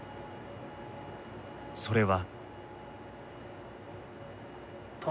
それは。